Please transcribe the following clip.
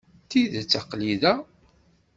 D tidet, aql-i da.